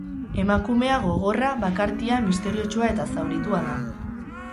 Emakumea gogorra, bakartia, misteriotsua eta zauritua da.